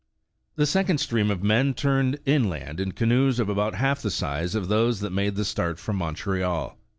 " The second stream of men turned inland in canoes of about half the size of those that made the start from Montreal.